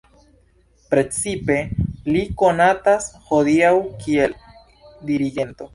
Precipe li konatas hodiaŭ kiel dirigento.